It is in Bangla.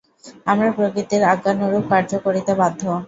আমরা প্রকৃতির আজ্ঞানুরূপ কার্য করিতে বাধ্য।